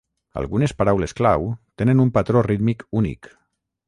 Algunes paraules clau tenen un patró rítmic únic.